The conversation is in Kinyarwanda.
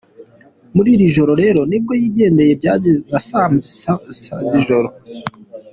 Muri iri joro rero nibwo yigendeye, byabaye nka saa saba za nijoro.